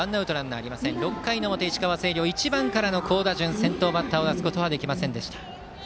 ６回表、石川・星稜１番からの好打順先頭バッターは打つことはできませんでした。